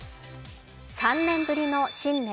３年ぶりの新年